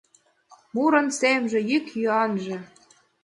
— Мурын семже, йӱк-йӱанже.